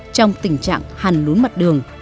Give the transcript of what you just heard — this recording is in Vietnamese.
trong tình trạng hằn lún mặt đường